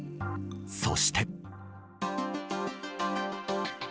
そして。